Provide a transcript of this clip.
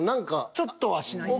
ちょっとはしないと。